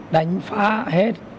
đánh phá hết